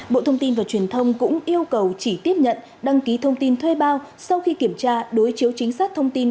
bộ thông tin và truyền thông cũng yêu cầu chỉ tiếp nhận đăng ký thông tin thuê bao sau khi kiểm tra đối chiếu chính xác thông tin